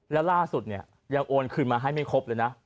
แล้วล่าสุดเนี่ยยังโอนคืนมาให้ไม่ครบเลยนะ